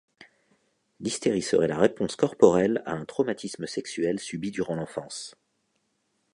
L'hystérie serait la réponse corporelle à un traumatisme sexuel subi durant l'enfance.